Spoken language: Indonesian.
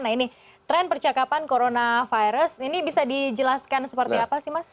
nah ini tren percakapan coronavirus ini bisa dijelaskan seperti apa sih mas